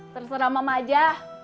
terserah mama aja